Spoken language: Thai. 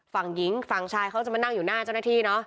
ฝั่งหญิงฝั่งชายเขาจะมานั่งอยู่หน้าเจ้าหน้าที่เนอะ